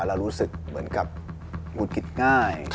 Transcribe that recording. เรารู้สึกเหมือนกับหงุดหงิดง่าย